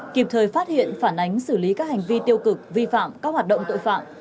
kịp thời phát hiện phản ánh xử lý các hành vi tiêu cực vi phạm các hoạt động tội phạm